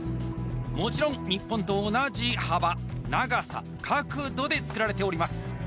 もちろん日本と同じ幅長さ角度でつくられております